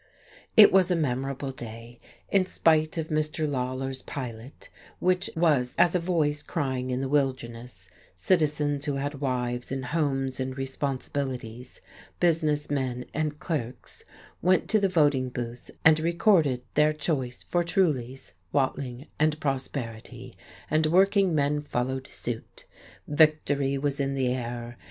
It was a memorable day. In spite of Mr. Lawler's Pilot, which was as a voice crying in the wilderness, citizens who had wives and homes and responsibilities, business men and clerks went to the voting booths and recorded their choice for Trulease, Watling and Prosperity: and working men followed suit. Victory was in the air.